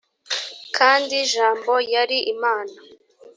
kandi jambo yari imana